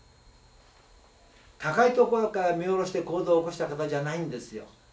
高いところから見下ろして行動を起こした方じゃないんですよ。